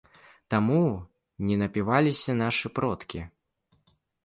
Таму не напіваліся нашы продкі.